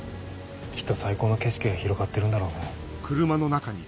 きっと最高の景色が広がってるんだろうね。